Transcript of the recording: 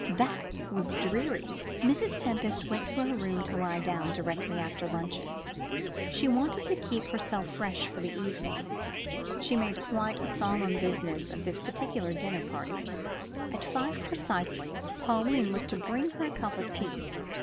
That was dreary. Mrs. Tempest went to her room to lie down directly after luncheon. She wanted to keep herself fresh for the evening. She made quite a solemn business of this particular dinner party. At five precisely, Pauline was to bring her a cup of tea.